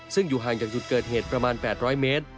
ซึ่งอยู่ห่างจากจุดเกิดเหตุประมาณ๘๐๐เมตร